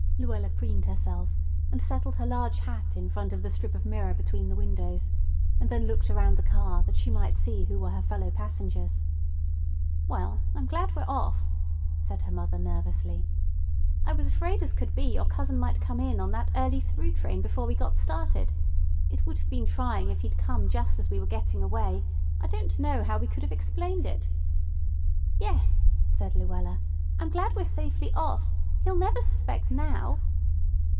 Luella preened herself, and settled her large hat in front of the strip of mirror between the windows, and then looked around the car that she might see who were her fellow passengers. "Well, I'm glad we're off," said her mother nervously. "I was afraid as could be your cousin might come in on that early through train before we got started. It would have been trying if he'd come just as we were getting away. I don't know how we could have explained it." "Yes," said Luella. "I'm glad we're safely off. He'll never suspect now."